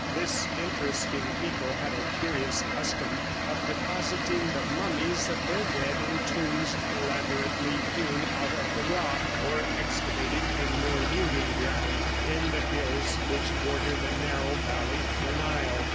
This interesting people had the curious custom of depositing the mummies of their dead in tombs elaborately hewn out of the rock, or excavated in more yielding ground, in the hills which border the narrow valley of the Nile.